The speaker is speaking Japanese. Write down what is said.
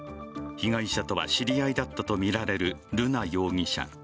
被害者とは知り合いだったとみられる瑠奈容疑者。